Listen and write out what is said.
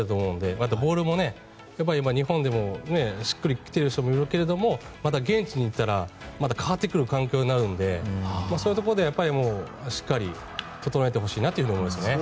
またボールも、日本でもしっくり来てる人もいるけどまた現地に行ったら変わってくる環境になるのでそういうところでしっかり整えてほしいなと思いますね。